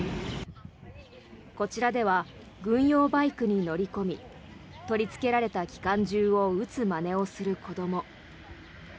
こちらでは軍用バイクに乗り込み取りつけられた機関銃を撃つまねをする子ども。